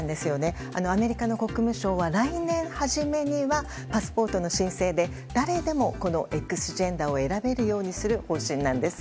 アメリカの国務省は来年初めにはパスポートの申請で誰でもＸジェンダーを選べるようにする方針なんです。